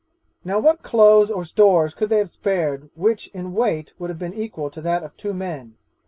'Now what clothes or stores could they have spared which in weight would have been equal to that of two men?